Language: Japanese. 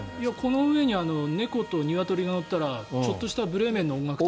この上に猫とニワトリが乗ったらちょっとしたブレーメンの音楽隊。